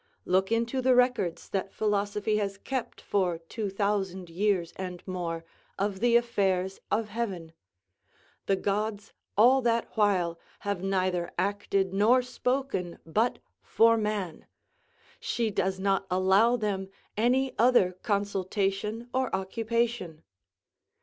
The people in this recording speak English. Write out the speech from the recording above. Look into the records that philosophy has kept for two thousand years and more, of the affairs of heaven; the gods all that while have neither acted nor spoken but for man. She does not allow them any other consultation or occupation.